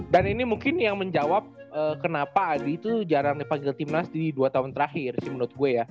ini mungkin yang menjawab kenapa adi itu jarang dipanggil timnas di dua tahun terakhir sih menurut gue ya